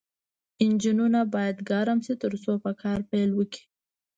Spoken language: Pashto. انجنونه باید ګرم شي ترڅو په کار پیل وکړي